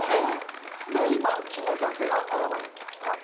今、気になる男性が現れた。